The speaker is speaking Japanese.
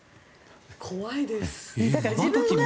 怖いです。